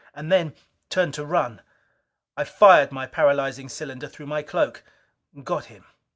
And then turned to run. I fired my paralyzing cylinder through my cloak. Got him!